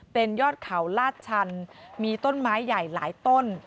เป็นยอดเขาลาดชันมีต้นไม้ใหญ่หลายต้น